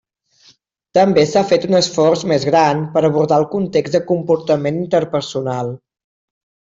També s'ha fet un esforç més gran per abordar el context de comportament interpersonal.